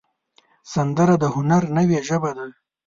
سندره د هنر نوې ژبه ده